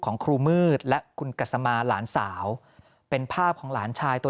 ของครูมืดและคุณกัสมาหลานสาวเป็นภาพของหลานชายตัว